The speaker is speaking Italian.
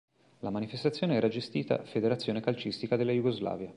La manifestazione era gestita Federazione calcistica della Jugoslavia.